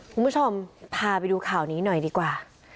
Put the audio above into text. คุณผู้ชมพาไปดูข่าวนี้หน่อยดีกว่า